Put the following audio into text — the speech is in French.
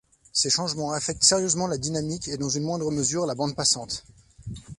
Ces changements affectent sérieusement la dynamique et dans une moindre mesure la bande passante.